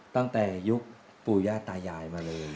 ตั้งแต่ยุคปู่ย่าตายายมาเลย